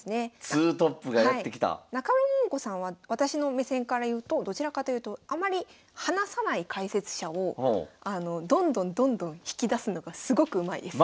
ツートップがやって来た。中村桃子さんは私の目線からいうとどちらかというとあまり話さない解説者をどんどんどんどん引き出すのがすごくうまいです。